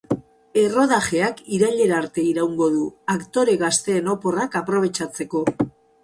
Errodajeak irailera arte iraungo du, aktore gazteen oporrak aprobetxatzeko.